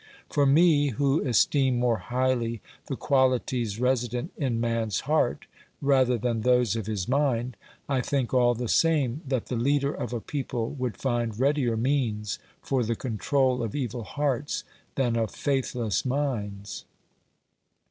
For me, who esteem more highly the qualities resident in man's heart rather than those of his mind, I think all the same that the 112 OBERMANN leader of a people would find readier means for the control of evil hearts than of faithless minds.